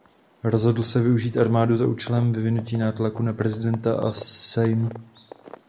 Rozhodl se využít armádu za účelem vyvinutí nátlaku na prezidenta a Sejm.